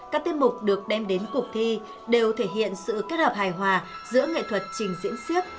các tiết mục được đem đến cuộc thi đều thể hiện sự kết hợp hài hòa giữa nghệ thuật trình diễn siếc